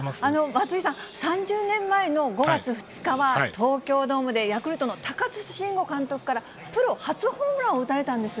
松井さん、３０年前の５月２日は、東京ドームでヤクルトの高津臣吾監督からプロ初ホームランを打たそうです。